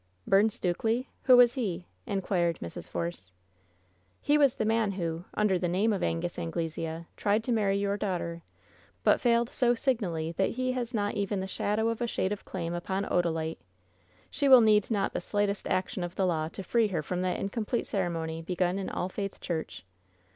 "'Byrne Stukely!' Who was he?" inquired Mra. Force. "He was the man who, under the name of Angus An glesea, tried to marry your daughter, but failed so sig nally that he has not even the shadow of a shade of claim upon Odalite! She will not need the slightest action of the law to free her from that incomplete cere WHEN SHADOWS DIE 89 mony begun in All Faith Church!